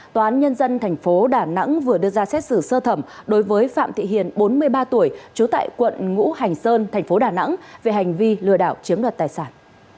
tòa án nhân dân tp đà nẵng vừa đưa ra xét xử sơ thẩm đối với phạm thị hiền bốn mươi ba tuổi trú tại quận ngũ hành sơn thành phố đà nẵng về hành vi lừa đảo chiếm đoạt tài sản